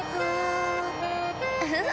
ウフフ。